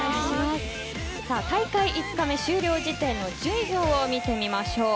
大会５日目終了時点の順位表を見てみましょう。